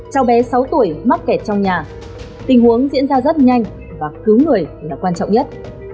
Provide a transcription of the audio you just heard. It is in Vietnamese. cháu bé sáu tuổi mắc kẹt trong nhà tình huống diễn ra rất nhanh và cứu người là quan trọng nhất